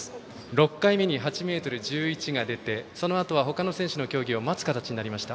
６回目に８ｍ１１が出てそのあとは他の選手の競技を待つ形になりました。